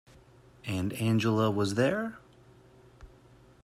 And Angela was there?